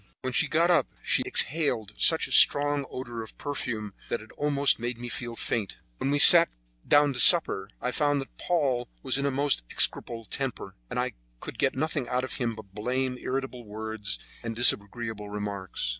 When she got up she exhaled such a strong odor of perfume that it almost made me feel faint. When we sat down to supper, I found that Paul was in a most execrable temper, and I could get nothing out of him but blame, irritable words, and disagreeable remarks.